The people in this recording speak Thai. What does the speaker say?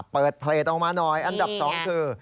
เปิดเพจออกมาหน่อยอันดับ๒คือ